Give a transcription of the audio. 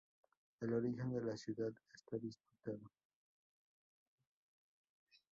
El origen de la ciudad está disputado.